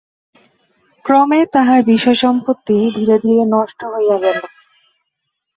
ক্রমে তাঁহার বিষয়সম্পত্তি ধীরে ধীরে নষ্ট হইয়া গেল।